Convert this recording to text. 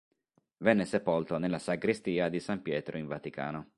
Venne sepolto nella Sagrestia di San Pietro in Vaticano.